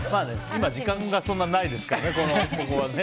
今、時間がそんなにないですからね。